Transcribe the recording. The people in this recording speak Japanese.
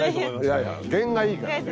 いやいや験がいいからね。